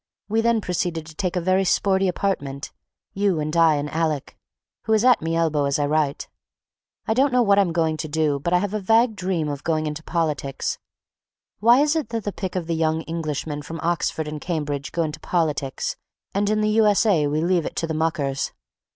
we then proceed to take a very sporty apartment, you and I and Alec, who is at me elbow as I write. I don't know what I'm going to do but I have a vague dream of going into politics. Why is it that the pick of the young Englishmen from Oxford and Cambridge go into politics and in the U. S. A. we leave it to the muckers?